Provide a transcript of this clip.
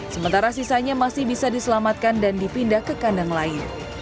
sementara sisanya masih bisa diselamatkan dan dipindah ke kandang lain